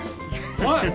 おい！